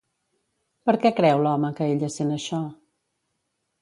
Per què creu l'home que ella sent això?